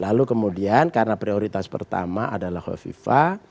lalu kemudian karena prioritas pertama adalah hovifa